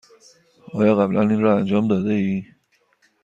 آیا قبلا این را انجام داده ای؟